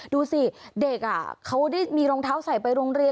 ดูสิเด็กเขาได้มีรองเท้าใส่ไปโรงเรียน